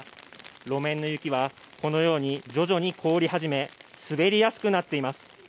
路面の雪は徐々に凍り始め滑りやすくなっています。